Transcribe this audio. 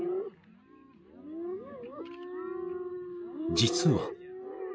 ［実は］